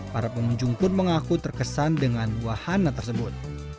para pengunjung pun mengaku terkesan dengan wahana tersebut